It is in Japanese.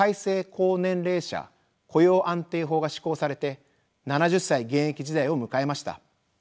高年齢者雇用安定法が施行されて７０歳現役時代を迎えました。